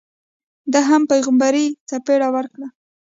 ده هم پیغمبري څپېړه ورکړه.